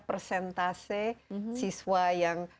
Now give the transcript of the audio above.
persentase siswa yang